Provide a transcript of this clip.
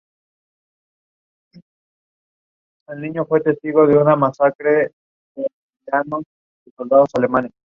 De igual forma se erigió Chimalhuacán como municipio.